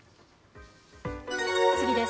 次です。